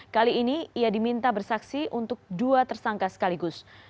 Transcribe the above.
kali ini ia diminta bersaksi untuk dua tersangka sekaligus